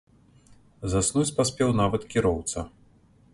Заснуць паспеў нават кіроўца.